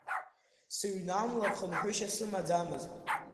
Сыҩнамлар, хынҳәышьа сымаӡамызт.